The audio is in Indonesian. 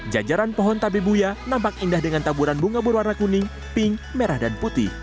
jajaran pohon tabebuya nampak indah dengan taburan bunga berwarna kuning pink merah dan putih